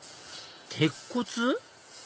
鉄骨？